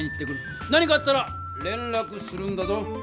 何かあったられんらくするんだぞ。